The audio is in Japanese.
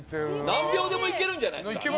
何秒でもいけるんじゃないですか。